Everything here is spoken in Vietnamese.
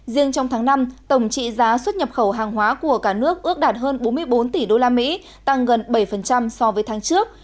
riêng trong tháng năm tổng trị giá xuất nhập khẩu hàng hóa của cả nước ước đạt hơn bốn mươi bốn tỷ usd tăng gần bảy so với tháng trước